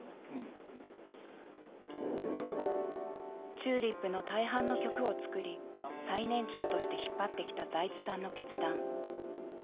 ＴＵＬＩＰの大半の曲を作り最年長として引っ張ってきた財津さんの決断。